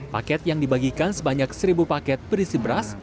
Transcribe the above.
paket yang dibagikan sebanyak seribu paket berisi beras